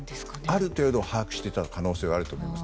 ある程度は把握していた可能性があると思います。